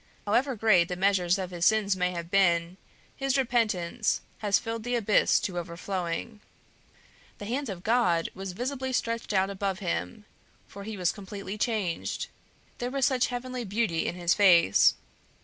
However great the measures of his sins may have been, his repentance has filled the abyss to overflowing. The hand of God was visibly stretched out above him, for he was completely changed, there was such heavenly beauty in his face.